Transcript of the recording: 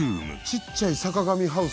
ちっちゃい坂上ハウス。